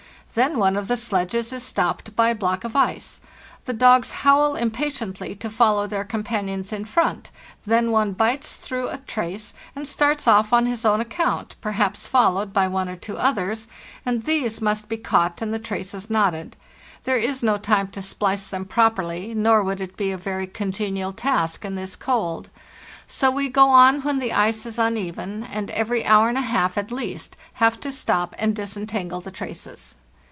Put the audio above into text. Then one of the sledges is stopped by a block of ice. The dogs howl impatiently to follow their companions in front; then one bites through a trace and starts off on his own account, per haps followed by one or two others, and these must be caught and the traces knotted; there is no time to splice 152 FARTHEST NORTH them properly, nor would it be a very congenial task in this cold. So we go on when the ice is uneven, and every hour and a half, at least, have to stop and disen tangle the traces.